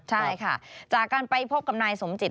ใช่ค่ะจากการไปพบกับนายสมจิต